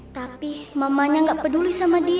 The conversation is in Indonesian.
tapi mamanya nggak peduli sama dia